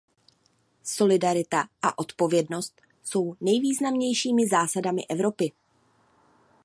Solidarita a odpovědnost jsou nejvýznamnějšími zásadami Evropy.